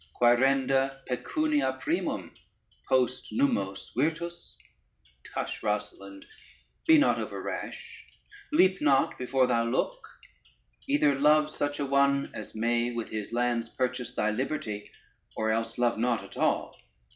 Quaerenda pecunia primum, post nummos virtus. Tush, Rosalynde, be not over rash: leap not before thou look: either love such a one as may with his lands purchase thy liberty, or else love not at all.